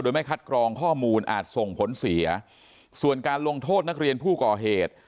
โดยไม่คัดกรองข้อมูลอาจส่งผลเสียส่วนการลงโทษนักเรียนผู้ก่อเหตุ